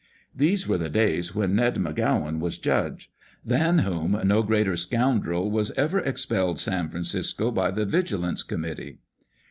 These were the days when Ned M'Gowan was judge — than whom no greater scoundrel was ever expelled San Francisco by the Vigilance Committee.